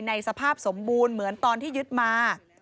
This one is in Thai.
สภาพสมบูรณ์เหมือนตอนที่ยึดมา